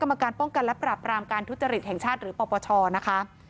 กรรมการป้องกันและปรับรามการทุจริตแห่งชาติหรือปปชนะคะ